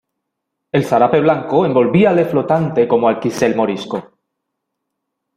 el zarape blanco envolvíale flotante como alquicel morisco.